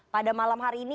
pada malam hari ini